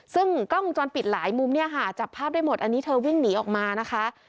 ซึ่งกล้องวงจรปิดหลายมุมเนี่ยค่ะจับภาพได้หมดอันนี้เธอวิ่งหนีออกมานะคะ